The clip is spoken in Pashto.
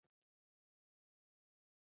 د هغه ملګري ږغ ښه ندی چې تر شا ېې چرګ بانګ وکړ؟!